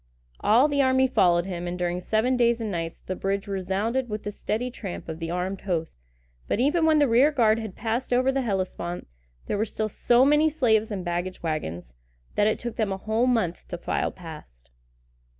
All the army followed him, and during seven days and nights the bridge resounded with the steady tramp of the armed host; but, even when the rear guard had passed over the Hellespont, there were still so many slaves and baggage wagons, that it took them a whole month to file past.